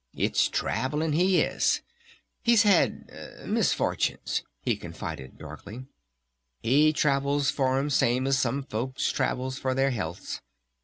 It's travelling he is.... He's had ... misfortunes," he confided darkly. "He travels for 'em same as some folks travels for their healths.